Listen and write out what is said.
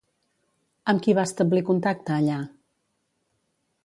Amb qui va establir contacte allà?